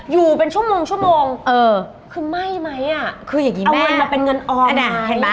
อยู่เป็นชั่วโมงคือไม่ไหมอะเอาเงินมาเป็นเงินออมไหม